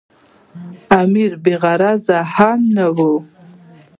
امیر بې غرضه هم نه وو.